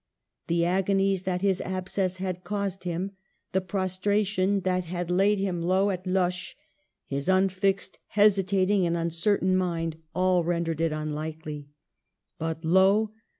The agonies that his abscess had caused him, the prostration that had laid him low at Loches, his unfixed, hesi tating, and uncertain mind, — all rendered it unlikely. But lo